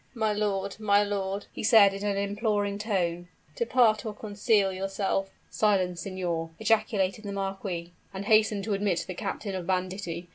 "My lord my lord," he said in an imploring tone, "depart, or conceal yourself " "Silence, signor!" ejaculated the marquis; "and hasten to admit the captain of banditti.